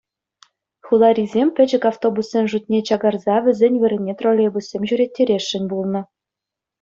Хуларисем пӗчӗк автобуссен шутне чакараса вӗсен вырӑнне троллейбуссем ҫӳреттересшӗн пулнӑ.